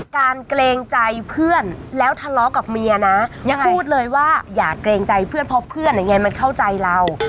เกรงใจเพื่อนแล้วทะเลาะกับเมียนะพูดเลยว่าอย่าเกรงใจเพื่อนเพราะเพื่อนไงมันเข้าใจเรา